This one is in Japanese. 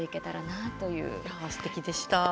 すてきでした。